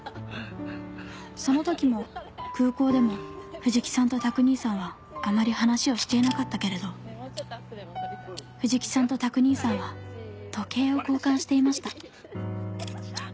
その時も空港でも藤木さんと拓兄さんはあまり話をしていなかったけれど藤木さんと拓兄さんは時計を交換していました